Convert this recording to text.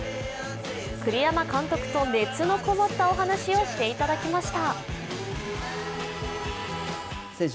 栗山監督と熱のこもったお話をしていただきました。